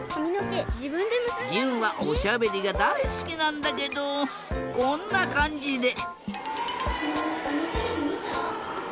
じゅんはおしゃべりがだいすきなんだけどこんなかんじで。